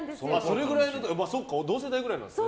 同世代くらいなんですね。